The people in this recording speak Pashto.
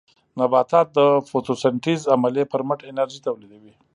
نباتات د فوټوسنټیز عملیې پرمټ انرژي تولیدوي.